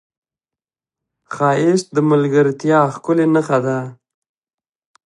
ښایست د ملګرتیا ښکلې نښه ده